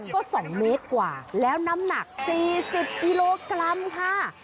ก็๒เมตรกว่าแล้วน้ำหนัก๔๐กิโลกรัมค่ะ